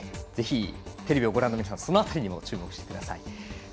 ぜひテレビをご覧の皆さんその辺りにも注目してください。